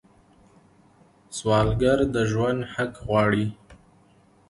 سوالګر د ژوند حق غواړي